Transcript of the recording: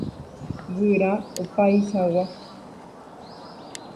Guyra opaichagua.